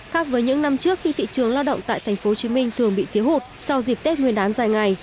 khác với những năm trước khi thị trường lao động tại tp hcm thường bị thiếu hụt sau dịp tết nguyên đán dài ngày